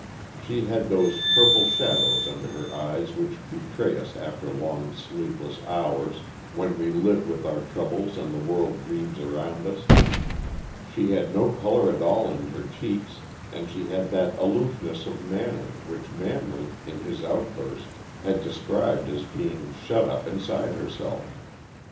She had those purple shadows under her eyes which betray us after long, sleepless hours when we live with our troubles and the world dreams around us; she had no color at all in her cheeks, and she had that aloofness of manner which Manley, in his outburst, had described as being shut up inside herself.